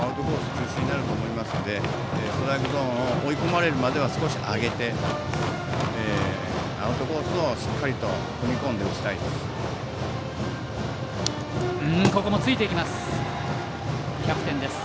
中心になると思いますのでストライクゾーンを追い込まれるまでは少し上げてアウトコースをしっかりと踏み込んで打ちたいです。